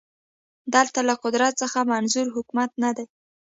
دلته له قدرت څخه منظور حکومت نه دی